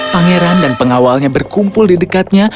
pangeran dan pengawalnya berkumpul di dekatnya